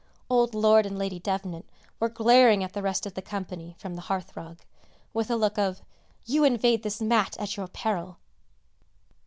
Old Lord and Lady Devnant were glaring at the rest of the company from the hearth rug, with a look of "You invade this mat at your peril!"